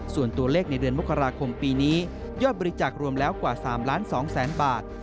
ส่วนตัวเลขในเดือนมกราคมปีนี้ยอดบริจาครวมแล้วกว่า๓๒๐๐๐๐บาท